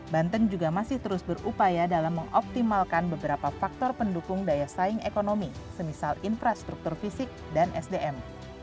banten juga masih terus berupaya dalam mengoptimalkan beberapa faktor pendukung daya saing ekonomi semisal infrastruktur fisik dan sdm